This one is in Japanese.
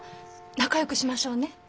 仲よくしましょうね。